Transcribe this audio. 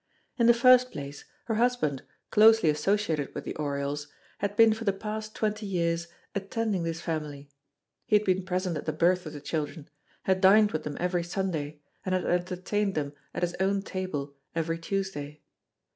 In the first place, her husband, closely associated with the Oriols, had been for the past twenty years attending this family. He had been present at the birth of the children, had dined with them every Sunday, and had entertained them at his own table every Tuesday.